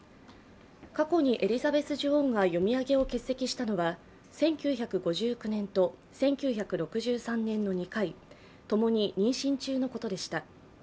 過去にエリザベス女王が読み上げを欠席したのは１９５９年と１９６３年の２回、ともに妊娠中のことでした。